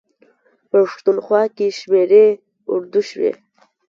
پښتونخوا کې شمېرې اردو شوي.